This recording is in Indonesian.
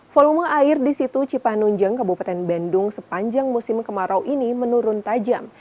volume air di situ cipanunjang kabupaten bandung sepanjang musim kemarau ini menurun tajam